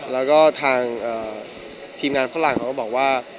แล้วก็ทางทีมงานฝรั่งเขาก็บอกว่า